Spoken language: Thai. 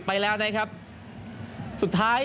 ส่วนที่สุดท้ายส่วนที่สุดท้าย